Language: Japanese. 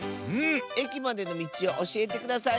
えきまでのみちをおしえてください。